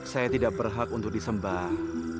saya tidak berhak untuk disembah